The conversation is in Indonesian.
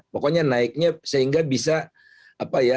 pokoknya naiknya sehingga bisa apa ya